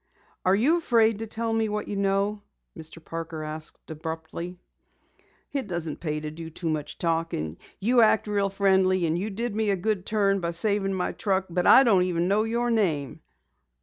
"Are you afraid to tell what you know?" Mr. Parker asked abruptly. "It doesn't pay to do too much talking. You act real friendly and you did me a good turn saving my truck but I don't even know your name."